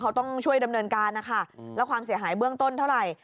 เขาต้องช่วยดำเนินการนะคะแล้วความเสียหายเบื้องต้นเท่าไหร่